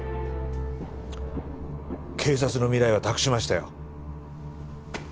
警察の未来は託しましたよ。